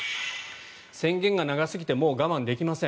宣言が長すぎてもう我慢できません。